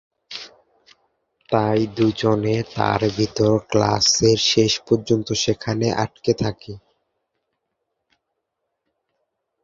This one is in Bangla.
তাই দু-জনে তার ভিতর ক্লাসের শেষ পর্যন্ত সেখানে আটকে থাকে।